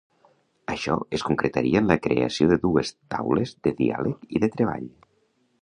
Això es concretaria en la creació de dues taules de diàleg i de treball.